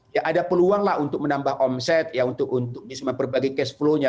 ya ada peluanglah untuk menambah omset ya untuk berbagai cash flow nya